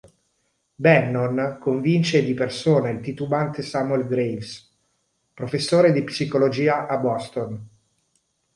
Bannon convince di persona il titubante Samuel Graves, professore di psicologia a Boston.